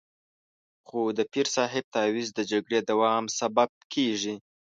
خو د پیر صاحب تعویض د جګړې دوام سبب کېږي.